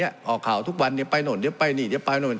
ออกข่าวทุกวันเดี๋ยวไปโน่นเดี๋ยวไปนี่เดี๋ยวไปโน่น